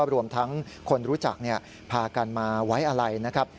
รวมทั้งคนรู้จักพากันมาไว้อะไรนะครับ